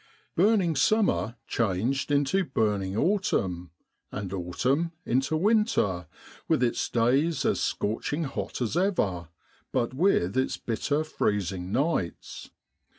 Burning summer changed into burning autumn, and autumn into winter, with its days as scorching hot as ever, but with its bitter freezing nights.